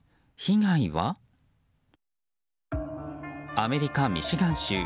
アメリカ・ミシガン州。